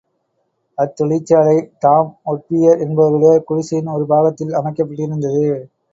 அத்தொழிற்சாலை Tom ஒட்வியர் என்பவருடைய குடிசையின் ஒரு பாகத்தில் அமைக்கப்பட்டிருந்தது.